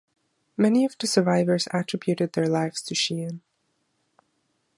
Many of the survivors attributed their lives to Sheean.